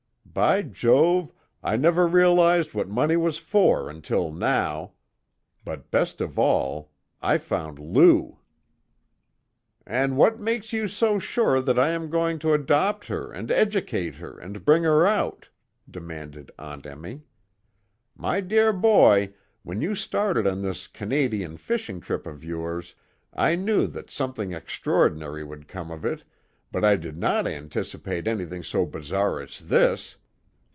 By Jove, I never realized what money was for until now! But best of all, I found Lou!" "And what makes you so sure that I am going to adopt her and educate her and bring her out?" demanded Aunt Emmy. "My dear boy, when you started on this Canadian fishing trip of yours I knew that something extraordinary would come of it, but I did not anticipate anything so bizarre as this!